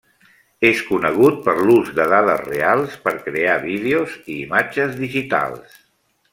És conegut per l'ús de dades reals per crear vídeos i imatges digitals.